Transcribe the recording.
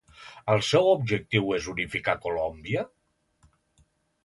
El seu objectiu és unificar Colòmbia?